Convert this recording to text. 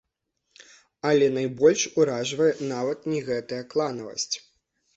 Але найбольш уражвае нават не гэтая кланавасць.